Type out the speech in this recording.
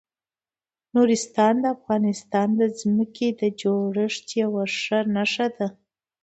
نورستان د افغانستان د ځمکې د جوړښت یوه ښه نښه ده.